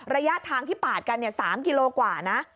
ระยะทางที่ปาดกัน๓กิโลกว่านะ